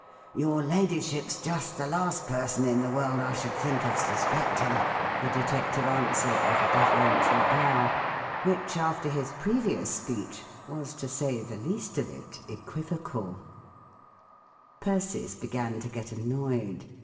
"Your ladyship's just the last person in the world I should think of suspecting/' the detective answered, with a deferential bow— which, after his previous speech, was to say the least of it equivocal, Persis began to get annoyed.